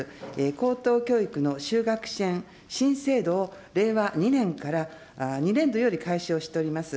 高等教育のしゅうがく支援新制度を令和２年から２年度より開始をしております。